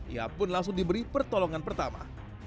ia pun langsung diberi pertolongan pertama